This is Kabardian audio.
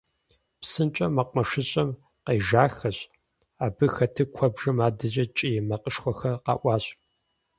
ПсынщӀэу мэкъумэшыщӀэм къежахэщ, абы хэту куэбжэм адэкӀэ кӀий макъышхуэхэр къэӀуащ.